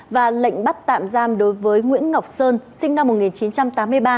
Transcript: và lệnh bắt tạm giam đối với nguyễn ngọc sơn sinh năm một nghìn chín trăm tám mươi ba